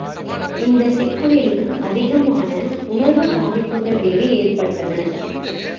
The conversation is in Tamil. இந்தச் சிக்கலிலும் அதிகமான உணர்வுப் பாதிப்புகள் வேறு ஏற்பட்டுள்ளன.